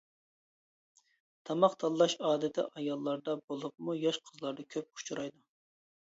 تاماق تاللاش ئادىتى ئاياللاردا، بولۇپمۇ ياش قىزلاردا كۆپ ئۇچرايدۇ.